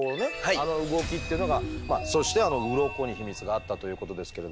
あの動きっていうのがそしてあのウロコに秘密があったということですけれども。